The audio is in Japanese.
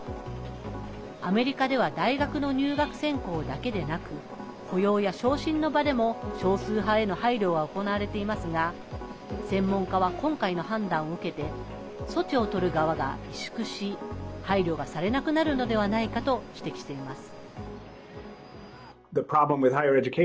アメリカでは大学の入学選考だけでなく雇用や昇進の場でも、少数派への配慮は行われていますが専門家は今回の判断を受けて措置をとる側が萎縮し配慮がされなくなるのではないかと指摘しています。